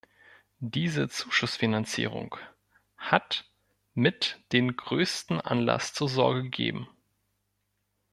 Diese Zuschussfinanzierung hat mit den größten Anlass zur Sorge gegeben.